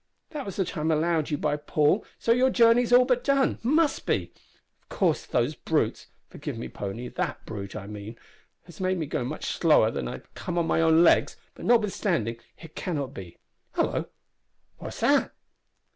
That was the time allowed you by Paul, so your journey's all but done must be. Of course those brutes forgive me, pony, that brute, I mean has made me go much slower than if I had come on my own legs, but notwithstanding, it cannot be hallo! what's that!"